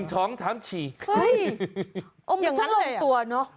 เฮ้ยมันช่างลงตัวเนอะ